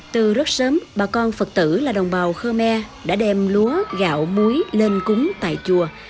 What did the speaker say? từ rất sớm bà con phật tử là đồng bào khơ me đã đem lúa gạo muối lên cúng tại chùa